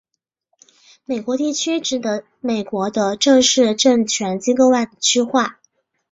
美国地区指的美国的正式政权机构外的区划。